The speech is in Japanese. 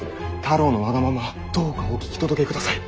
太郎のわがままどうかお聞き届けください。